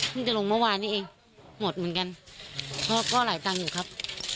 จะลงเมื่อวานนี้เองหมดเหมือนกันก็หลายตังค์อยู่ครับ